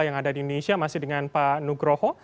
yang ada di indonesia masih dengan pak nugroho